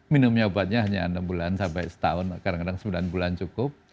minumnya obatnya hanya enam bulan sampai setahun kadang kadang sembilan bulan cukup